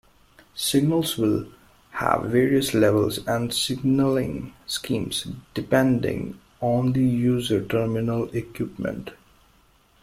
Signals will have various levels and signaling schemes depending on the user terminal equipment.